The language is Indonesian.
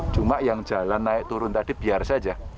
cuma yang jalan naik turun tadi biar saja